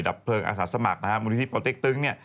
ดับเพลิงอาสาสมัครบริษัทปราวเต็กตึ้ง